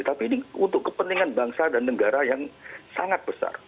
tapi ini untuk kepentingan bangsa dan negara yang sangat besar